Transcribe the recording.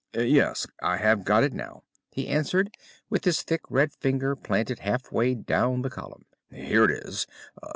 "Yes, I have got it now," he answered with his thick red finger planted halfway down the column. "Here it is.